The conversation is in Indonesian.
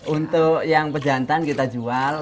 untuk yang pejantan kita jual